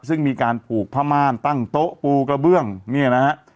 ซึ่งมีการผูกผ้าม่านตั้งโต๊ะปูกระเบื้องเนี่ยนะฮะ